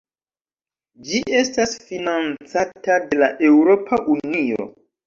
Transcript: Ĝi estas financata de la Eŭropa Unio.